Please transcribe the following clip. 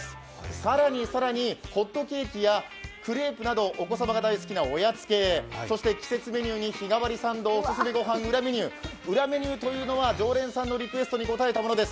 更に更にホットケーキやクレープなどお子さまが大好きなおやつ系、季節メニューに日替わりサンド、オススメご飯、裏メニュー裏メニューというのは常連さんのリクエストに応えたものです。